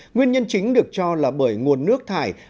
nguyên nhân chính được cho là bởi nguồn nước thải